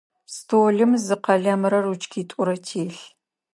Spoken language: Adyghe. Столым зы къэлэмрэ ручкитӏурэ телъ.